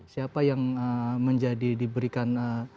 siapa yang menjadi diberikan